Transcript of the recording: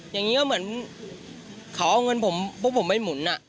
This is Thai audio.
อย่างนี้ก็เหมือนเขาเอาเงินผมพวกผมไปหมุน